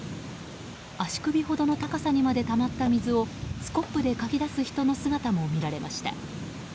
足首ほどの高さにまでたまった水をスコップでかき出す人の姿も見られました。